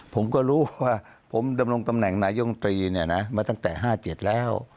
ผมก็รู้ว่าผมดำรงตำแหน่งนายมตรีมาตั้งแต่๕๗แล้ว